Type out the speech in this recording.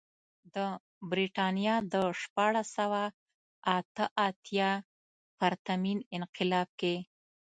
د برېټانیا د شپاړس سوه اته اتیا پرتمین انقلاب کې.